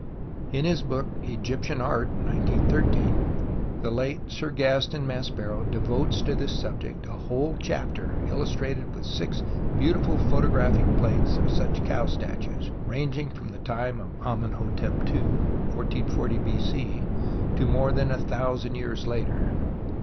In his book Egifpfmn Art (1913) the late Sir Gaston Maspero devotes to this subject a whole chapter (XI) illustrated witli six beautiful photographic plates of such cow statues ranging from the time of Amenhotep II (1440 B.C.) to more than a thousand years later.